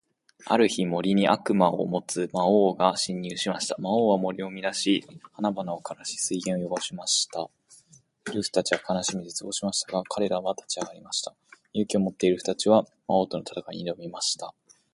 ある日、森に悪意を持つ魔王が侵入しました。魔王は森を乱し、花々を枯らし、水源を汚しました。エルフたちは悲しみ、絶望しましたが、彼らは立ち上がりました。勇気を持って、エルフたちは魔王との戦いに挑みました。